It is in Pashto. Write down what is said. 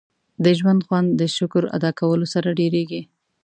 • د ژوند خوند د شکر ادا کولو سره ډېرېږي.